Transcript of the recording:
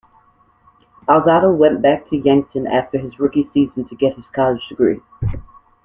Alzado went back to Yankton after his rookie season to get his college degree.